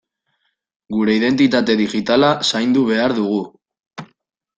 Geure identitate digitala zaindu behar dugu.